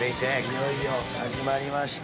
いよいよ始まりました。